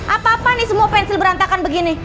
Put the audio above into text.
apapun nih semua pensil berantakan begini